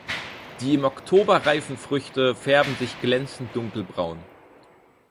Die im Oktober reifen Früchte färben sich glänzend dunkelbraun.